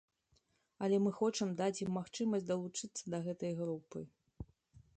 Але мы хочам даць ім магчымасць далучыцца да гэтай групы.